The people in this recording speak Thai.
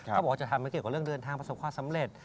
เขาบอกว่าจะทำให้เกี่ยวกับเรื่องเดินทางประสบความสำเร็จ